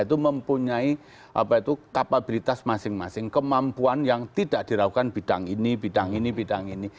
itu mempunyai kapabilitas masing masing kemampuan yang tidak diragukan bidang ini bidang ini bidang ini